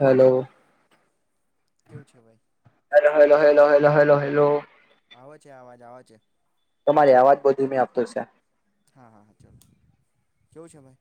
Hello કેવું છે ભાઈ હેલો હેલો હેલો હેલો આવે છે [inaudible] તમારી આવાજ બધુ મેં આપતો છે. હા હા હા ચાલ કેવું છે ભાઈ?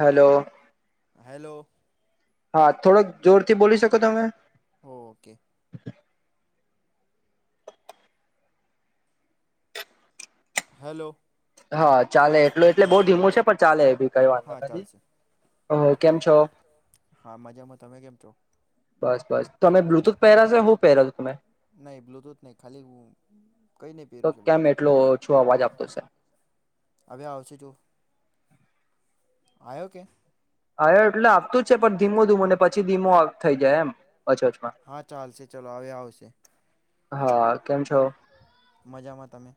હલો હેલો હા થોડુક જોર થી બોલી શકો તમે ઓકે હેલો હા ચાલે. એટલે એટલે બહું ધીમું છે પણ ચાલે એ બી કઈ વાંધો હા નો નથી ચાલશે ઓહો કેમ છો? હા મજામાં, તમે કેમ છો? બસ બસ તમે બ્લુટુથ પહેરોશો હું પહેરોશો તમે નહીં બ્લુટૂથ નહીં ખાલી કંઈ નહીં તો પહેર્યું છે ભાઈ કેમ એટલો ઓછો અવાજ આપતો છે હવે આયો કે હવે એટલે આવતું જ છે પણ ધીમું ધીમો ને પછી ધીમો થઈ જાય એમ વચોટમાં. છે. હા, કેમ છો? મજામાં તમે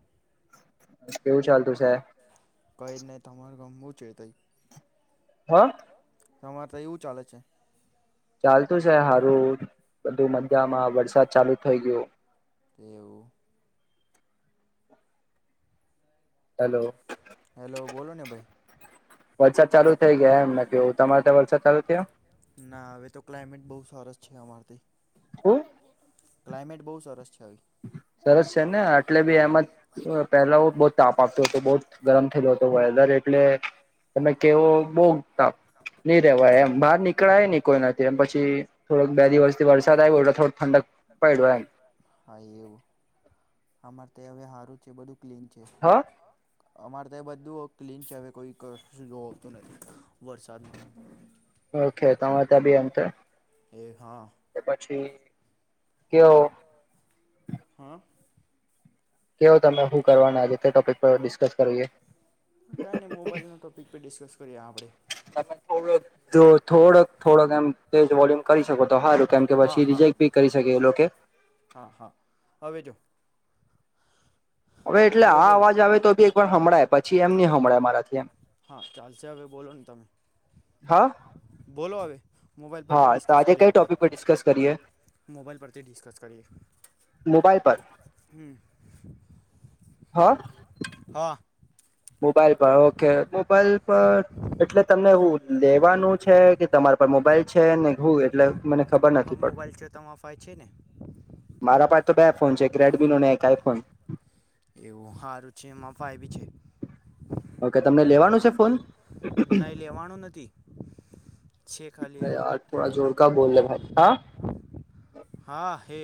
કેવું ચાલતું શે? ચેઅ તાઈ હ તમારે તો એવું ચાલે છે [inaudible] ચાલતું છે હારું બધું મધ્યમાં વરસાદ ચાલુ થઈ ગયયો [inaudible] એવું હેલો હેલો બોલો ને ભાઈ વરસાદ ચાલુ થઈ ગયા એમ મેં કેવું તમારે ત્યાં વરસાદ ચાલુ થયો ના હવે તો ક્લામેટ બઉ સરસ છે અમારે તઈ ખુબ ક્લામેટ બહ સરસ છે હવે સરસ છે ને આટલે બી હા એમાં પેલાઓ બોહ તાપ આપતો તો બોહ ગરમ થયલો હતો વેધરે એટલે તમે કેવો બો તાપ નઈ રેવાય એમ એવું બહાર નીકળાય ન કોઈનાથી એમ પછી થોડક બે દિવસ થી વરસાદ આવ્યો એટલે થોડો ઠંડક પડ્યો એમ હા એવું અમારે તો હવે સારું છે બધું ક્લીન છે હા અમારે તો એ બધું ક્લીન છે હવે કોઈ કું જો આવતું નથી વરસાદનું ઓકે તમારે ત્યા બી એમ તો એ હા પછી કેવો હા કેવો તમે હુ કરવાના આજે તે ટોપિક પર ડિસ્કસ કરીએ કઈ નઈ મોબાઈલ ના ટોપિકપર ડિસ્કસ કરીએ આપડે તમે થોડ થોડક થોડક એમ તેજ વોલ્યુમ કરી શકો તો હારું કેમ કે હા પછી હા રિજેક્ટ ભી કરી શકે એ લોકે હા હા હવે જો હવે એટલે આ અવાજ આવે તો બી એક વાર હમડાય પછી એમ ની હમડાય મારાથી એમ હા ચાલશે હવે બોલો ને તમે હા બોલો હવે મોબાઈલ પરથી હા તો ડિસ્કસ આજે કરીએ કઈ ટોપિક પર આપણેે ડિસ્કસ કરીએ મોબાઈલ પરથી ડિસ્કસ કરીએ મોબાઈલ પર હમ હા હા મોબાઈલ પર ઓકે મોબાઈલ પર એટલે તમને એું લેવાનું છે કે તમારે મોબાઈલ છે ને હું એટલે મને ખબર માફા નથી પડતી મોબાઈલ છે તમા માફા છે ને મારા પાસે તો બે ફોન છે એક રેડમી નો ને એક આઈ ફોન એવું સારું છે એમાં ફાય બી છે ઓકે તમને લેવાનું છે ફોન નહીં લેવાનું નથી છે ખાલી એવું યાર થોડા જોર ક બોલલેે ભાઈ હા હા હે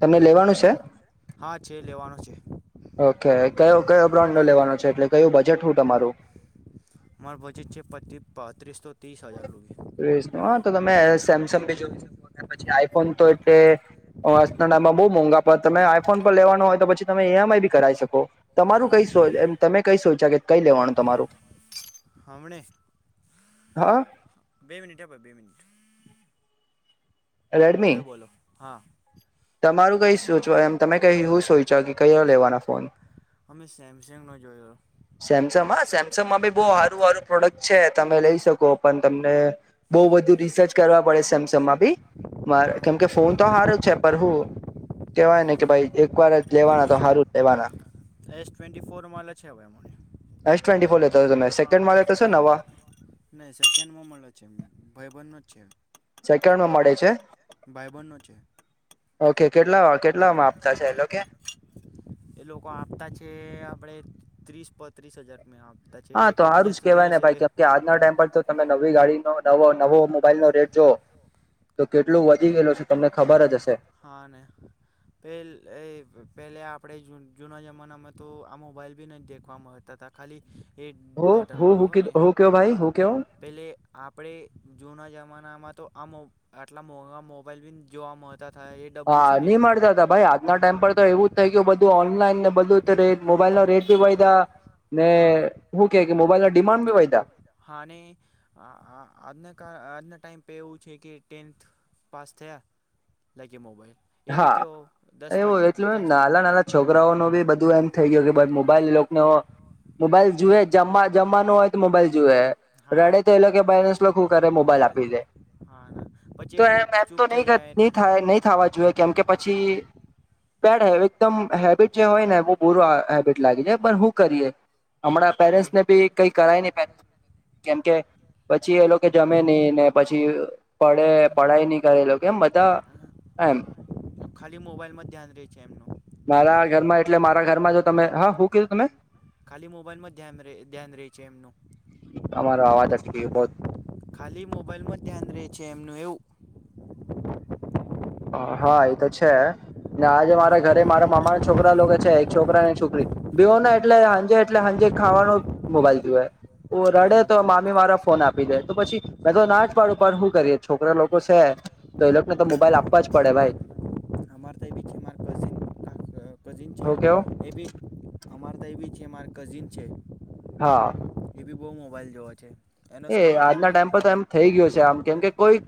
તમને લેવાનું છે હા છે લેવાનું છે ઓકે કયો કયો બ્રાન્ડ નો લેવાનો છે એટલે કયું બજેટ શું તમારું મારું બજેટ છે પાંત્રીસો ત્રીસ હજાર રૂપ ન હ તો તમે સેમસંગ ભી જોઈ શકો પછી આઈફોન તો એટલે નામમાં બહુ મોંઘા પર તમે આઈફોન પર લેવાના હોય તો પછી તમે ઈએમઆઈ ભી કરાવ શકો તમારું કઈ એમ તમે કઈ સોચ્યા કે કઈ લેવાનું તમારું હમણે હા બે મિનિટ હ ભ બે મિટ હા રેડમી એવે બોલો હા તમારું કઈ સોચવા એમ તમે ક શું સોચો કે કયો લેવાના ફોન અમે સેમ સેમસંગ હા સેમસંગમાં બી બહું સારું સારું પ્રોડક્ટ છે. તમે લઈ શકો પણ તમને બહુ બધુ રિસર્ચ કરવા પડે સેમસંગમાં બી. મારે હા કેમ કે ફોન તો સારો જ છે પર હું. કેવાય ને કે ભાઈ એકવાર જ લેવાના તો સારું જ લેવાના. એસ ટ્વેન્ટી ફોર મલે છે હવે એમાંય. એસ ટ્વેન્ટી ફોર લેતો હતો તમે હા સેકન્ડમાં લેતો છો નવા નહિ સેકન્ડમાં મળે છે ભાઈબંધ નો જ. છે કેમાં મળે છે? ભાઈબંધનો છે. ઓકે કેટલા કેટલામાં આપતા છે એતો કે એ લોકો આપતા છે આપડે ત્રીસ પોત્રીસ હજાર મે આપ હા તો હારું જ કેવાય ને ભાઈ કે આજના ટાઈમ પર તો તમે નવી ગાડી ન નવો મોબાઈલ નો રેટ જો તો કેટલું વધી ગયેલો છે તમને ખબર જ હશે હા અને પ પેલા આપણે જુના જમાનામાં તો આ મોબાઈલ બી નહી દેખવામાં આવતા ત ખાલી એ હું બટન હું વાળો હું હોય ને કીધું હું કયો ભાઈ હું કયો પેલે આપણેે જૂના જમાના તો આ આટલા મોંઘા મોબાઈલ બી જોવા મળ હા ની મળતા હતા ભાઈ અદ્ના ટાઈમ પર તો એવું જ થઈ ગયું બધું ઓનલાઈન ને બધું રેટ મોબાઈલ નો રેટ બી વધયા ને હા હુ કે કે મોબાઈલ ના ડિમાન્ડ ભી વધયા હા ને અ આજના આજના ટાઈમ પે એવું છે કે ટેન્થ પાસ થયા લાય કે મોબાઈલ એ બી હા કેવો દસ પ એવું એટલું દસ નાના નાના છોકરાઓ નો બી બધું એમ થઈ ગયું કે મોબાઈલ એ લોક નો. મોબાઈલ જુએ જમવા જમવાનું હોય તો મોબાઈલ જુએ. રડે તો એ લોકો કે બાયલેન્સ લોકો શું કરે મોબાઈલ આપી દે. હા ના પછી તો એ ચૂપ એમ એમ તો થઈ નહી જાય નહી એટલે થાય નહી થવા જોઈએ કેમ કે પછી પડ હ એકદમ હેબિટ જે હોય ને બહુ બુરો હેબિટ લાગે છે. પણ હા હું કરીએ હમણાં આપણે પેરેન્ટસ ને બી કઈ કરાય નહીં કેમ કે પછી એ લોકો જમે નહી ને પછી પડે પડાય નહી કરે એ લોકો એમ બધા. એમ. ખાલી મોબાઈલ માં ધ્યાન રહે છે. એમનું મારા ઘરમાં એટલે મારા ઘરમાં જો તમે હા હુ કીધું તમે, ખાલી મોબાઈલમાં ધ્યાન ધ્યાન રહે છે. એમનું અમારો અવાજ અટકી ગયો ખાલી મોબાઈલમાં ધ્યાન રહે છે. એમનું એવું હ હા એ તો છે. ના આજે એવું મારા ઘરે મારા મામા છોકરા લોકો છે. એક છોકરાને છોકરી બેવને એટલે સાંજે એટલે સાંજે ખાવાનો મોબાઈલ જુએ રડે તો એવું મામી મારા ફોન આપી દે તો પછી મેં તો ના જ પાડું પણ શું કરીએ છોકરા લોકો છે. તે એ લોકોને તો મોબાઈલ આપ વાજ પડે ભાઈ, અમારે ત્યાં બી છે મારા કઝિન કઝિન હું કેવું છે એ બી અમારા તય એ બી છે. અમારા કઝિન છે. હા. વિવો મોબાઈલ જોવો છે. એનો એ સ્ક્રીન આજના હું ટાઈમ પર તો એમ થઈ ગયો છે. આમ કેમ કે કોઈ.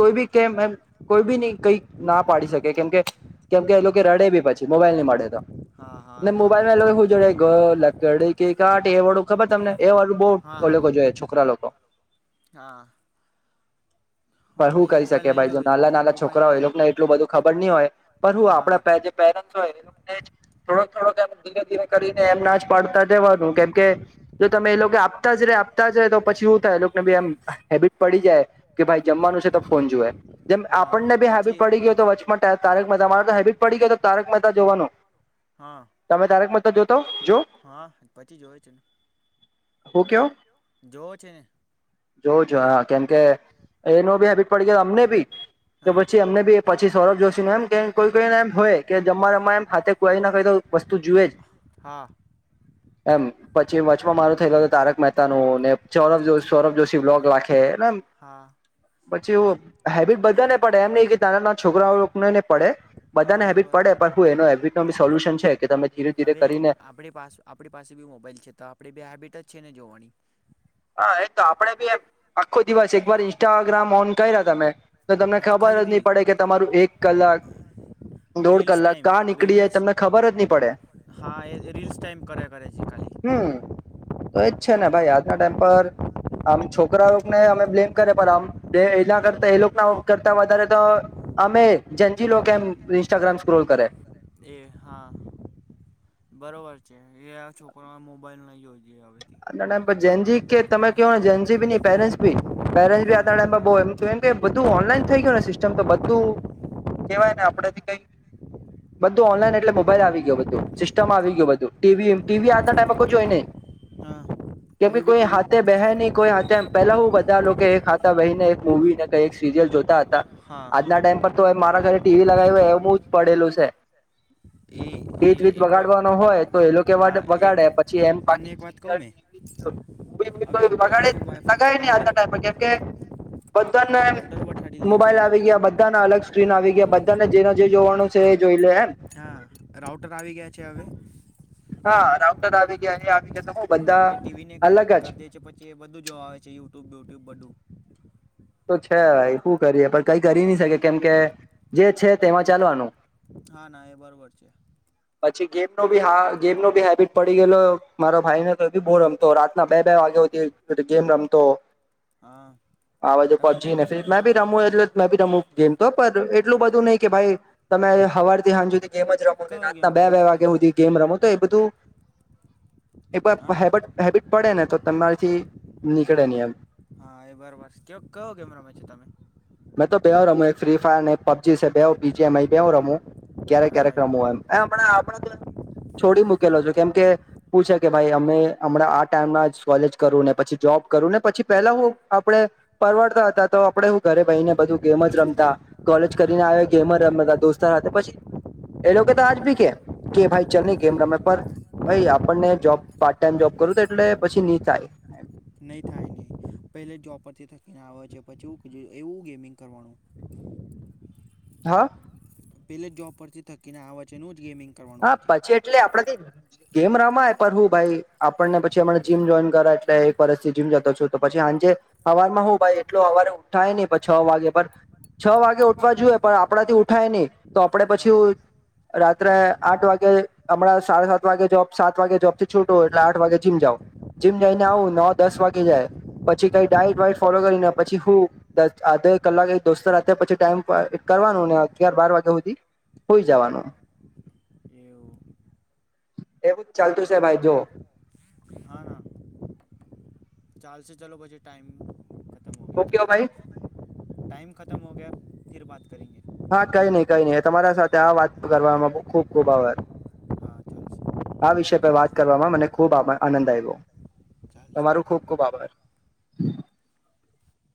કોઈ બી કેમ એમ કોઈ બી ન કઈ ના પાડી શકે કેમકે કેમકે એ લોકો રડે બી પછી મોબાઈલ નહી મળે તો. હા ને હા મોબાઈલમાં એ સાચું લોકો કીધું શું તમે જોવે ગ લકડી કી કાઠી એ વાળુ ખબર તમને. એ વાળું બહુ ઓ હા લોકો હા જોવે છોકરા લોકો હા હા પર હુ એ કરી મોબાઈલ શકે નહીં ભાઈ જો જોઈ નાના નાના મોબાઈલ છોકરા હોય એ નહીં લોકોને એટલું બધું ખબર નહી હોય પણ હું હા આપણા. પેરેન પેરેન્ટ્સ હોય એ [unintelligible] થોડોક થોડોક ધીરે ધીરે કરીને એમના જ ના પાડતા જવાનું કેમકે જો તમે એ લોકો આપતા જ રહ્યા આપતા જાય તો પછી હુ થાય એલોકને ભાઈ એમ હેબિટ પડી જાય કે ભાઈ જમવાનું છે. તો ફોન જોવે જેમ હા આપણને હેબિટ પછી પડી ગઈ તો વચમાં તારક મેહતા માં. મારે તો હેબિટ પડી ગઈત તારક મહેતા હા જોવાનો હા તમે તારક મહેતા જ્યૌ તો હા પછી જોવે છે. ને હુકયો. જોવો છે. [unintelligible] ને જોઉ છું હા કેમકે એને ભી હેબિટ પડી ગઈ અમને ભી તો હા પછી એમને ભી પછી સૌરભ જોશી ને એમ કે કોઈ કોઈ ને એમ હોય કે જમવા જમવા એમ હાથે કોઈ ના કોઈ તો વસ્તુ જુએ જ હા. એમ પછી વચમાં મારું થઈ ગયું હતું તારક મહેતા નું સૌરભ પછી જો સૌરભ જોશી બ્લોગ રાખે હા પછી એવી હેબિટ બધાને પડે એમ નહીં કે નાના નાના છોકરાઓ ને પડે હા બધાનેે એ હેબિટ બર પડે પણ હું એનો હેબિટ નો સોલ્યુશન છે કે તમે ધીરે ધીરે હવે કરીને આપણી પાસે આપણી પાસે ભી મોબાઈલ છે. તો આપડે ભી હેબિટ જ છે. ને જોવાની હા એક તો આપડે ભી આખો દિવસ એકવાર ઇન્સ્ટાગ્રામ ઓન કર્યા તમે તો તમને ખબર ખાલી જ નહી રીલ પડે કે તમારું એક કલાક દોઢ રીલ્સ કલાક ટાઈમ કાય નીકળી જાય રીલ્સ તમને ખબર જ નહી પડે. હા એ રીલ્સ ટાઈમ કર્યા કર્યા છે ખાલી હમ તો એજ છે. ને ભાઈ આજના ટાઈમ પર આમ છોકરાઓને અમે બ્લેમ કરે પણ આમ બે એના કરતા એ લોકોના કરતા વધારે તો અમે જંજીલો કેમ ઇન્સ્ટાગ્રામ સ્ક્રોલ કરે એ હા બરોબર છે. એ આ છોકરોમાં મોબાઈલ નહીં હોયો જ આના ટાઈમ પર જેન કે તમે કહો ને જેનજે ન પેરેન્ટસ ભી પેરેન્ટ્સ આના ટાઈમ ભી તો એમ કે બધું ઓનલાઈન થઈ ગયુંને સિસ્ટમ તો બધું કેવાય ને આપડે થી કઈ બધું ઓનલાઈન એટલે મોબાઈલ આવી ગયો બધું સિસ્ટમ આવી ગયું ટીવી આજનાટાઈમ મા કોઈ જોવે નહીં હોય ને [inaudible] હા કે ભાઈ હવે બી કોઈ ટીવી હાથે બેહે નહી કોઈ હાથે પેલા હું બધા લોકો એક હાથે વહીને એક મુવી કઈ સિરિલ જોઈ હા આજના ટાઈમ પર તો મારા ઘરે ટીવી લગાવી હો એ પડેલું છે એ એ પીત વીત એક વ વગાડવાનો હોય તો એ લોકો વગાડે પછી એમકી અ કમે લગાડે લગાય નહી આજના ટાઈમ કેમ કે બધાને રાઉટર વઠાડી દે છે એ મોબાઈલ આવી લોકો ગયા બધાના અલગ સ્ક્રીન આવી ગયા બધાને જેનો જે જોવાનું છે એ જોઈ લે એમ હા રાઉટર આવી ગયા છે હવે હા રાઉટર આવી ગયા આવી તો હું બધા એ ટીવી ને કનેક્ટ અલગ જ કરી દે છે પછી એ બધું જોવા આવે છે યુટ્યુબ બયુટ્યુબ બધું તો છેાઈ શું કરીએ પણ કઈ કરી નહી શકે કેમ જે છે તેમાં ચાલવાનું હા ના એ બરોબર છે ી ગેમ નો ભી હેબિટ પડી ગયેલો મારા ભાઈ ને તો બી બોર રમતો રાતના બે વાગે તો ગેમ રમ તો હા આવાજે તમે પહોચી ગેમિંગ નેી કરો મેં છો બી રમું એટલે મેં ભી રમું ગેમ તો પણ એટલું બધું નહીિ કે ભાઈ તમે હવાર થી હાંજુ ગેમ જ રમો ને કયો ગેમ રાતના બે રમો બે છો તમે વાગ્યા સુધી ગેમ રમો તો એ બધું એક હા વાર હેબટ હેબિટ પડે ને તો તમારીથી નીકળે નહી એમ હા એ બરોબર કે કયો કેમેરામાં છે તમે મેં તો બે રમ ફ્રી ફાયર ને પબજી છે બે બીજીમવું રમું ક્યારે ક્યારે હા એ ક્રમો હોય એમમણા આપણા તો છોડી મૂકેલો છો કેમકે પૂ છે કે ભાઈ અમે હમણાં આ ટાઈમ કોલેજ કરું પછી જો કરું ને પછી પેલા હું આપણે પરવડતા હતા તો આપડે હું ઘરે બહીને બધું ગેમ જ રમતા કોલેજ હા કરીને આવે ગેમ જ રમતા દોસ્ત પછી એ લોકો તો આજ ભી કે કે ભાઈ ચ નહી કેમ રમે પર ભાઈ આપણને જોબ પાર્ટ ટાઈમ જોબ કરું તો એટલે પછી ન થાય નહી થાય ન પેલે જોબ પરથી થકીને આવે છે પછી એવું ગેમિંગ કરવાનું હા પેલે જોબ પરથી થકીને આ વ છેે ન હા, પછી એટલે આપડે થી ગેમ રમાય. પણ હું ભાઈ આપણને પછી હમ જીમ જોઈન કરાય, તે એટલે એક વર્ષથી જીમ જતો છું. તો પછી સાંજે હવાર માં હું ભાઈ, એટલો હવારે ઉઠાય નહી છ વાગે પર છ વાગે ઉઠવા જોઈએ પણ, આપણાથી ઉઠાય નહી તો આપડે પછી હા રાત્રે આઠ વાગે હમણાં, સાડા સાત વાગે જોબ સાત વાગે જોબ થી છૂટો, એટલે આઠ વાગે જીમ જાઓ. જીમ જઈને એ- આવું નવ દસ વાગે જાય. પછી કઈ ડાયટ વાઇટ ફોલો કરીને, પછી હું આધો કલાક દોસ્ત હાથે પછી ટાઈમપાસ કરવાનું ને, અગ્યાર બાર વાગ્યા સુધી હુઈ જવાનું. એવું [unintelligible] એવું જ ચાલતું છે ભાઈ જો [inaudible] હા ના ચાલશે ચાલો પછી ટાઈમ ઓકે ભાઈ ટાઈમ ખતમ હો ગયા, ફીર બાત કરગે. હા કઈ નઈ કઈ નઈ, તમારા સાથે આ વાત કરવામાં ખૂબ ખુબ આભાર. આ વિષય પર વાત કરવામાં મને ખૂબ આનંદ આવ્યો. તમારું ખુબ ખુબ આભાર!